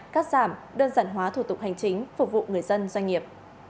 cắt giảm đơn giản hóa thủ tục hành chính phục vụ người dân doanh nghiệp